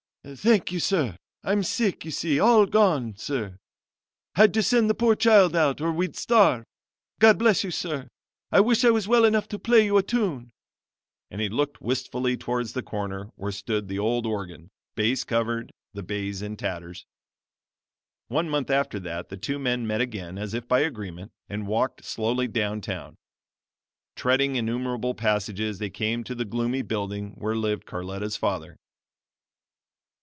"Thank you, sir I'm sick, you see all gone, sir! had to send the poor child out, or we'd starve. God bless you, sir! I wish I was well enough to play you a tune," and he looked wistfully towards the corner where stood the old organ, baize covered, the baize in tatters. One month after that the two men met again as if by agreement, and walked slowly down town. Treading innumerable passages they came to the gloomy building where lived Carletta's father.